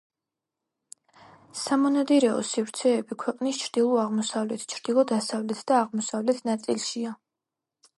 სამონადირეო სივრცეები ქვეყნის ჩრდილო-აღმოსავლეთ, ჩრდილო-დასავლეთ და აღმოსავლეთ ნაწილშია.